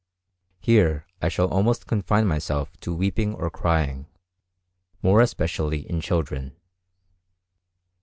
Here I shall almost confine myself to weeping or crying, more especially in children.